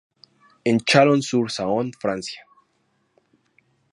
En Chalon-sur-Saône, Francia.